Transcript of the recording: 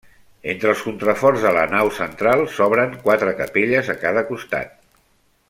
Entre els contraforts de la nau central s'obren quatre capelles a cada costat.